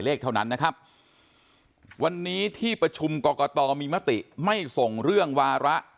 เท่านั้นนะครับวันนี้ที่ประชุมกรกตมีมติไม่ส่งเรื่องวาระ